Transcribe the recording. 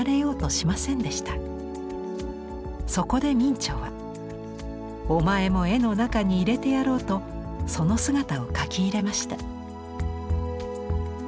そこで明兆は「お前も絵の中に入れてやろう」とその姿を描き入れました。